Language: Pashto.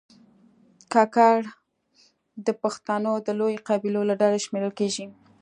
کاکړ د پښتنو د لویو قبیلو له ډلې شمېرل کېږي.